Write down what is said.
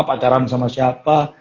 pacaran sama siapa